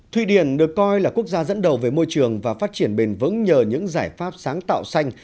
thụy điển được coi là quốc gia dẫn đầu về môi trường và phát triển bền vững nhờ những giải pháp sáng tạo xanh